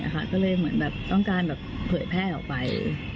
ก็เลยเหมือนแบบต้องการเผยแพร่ออกไป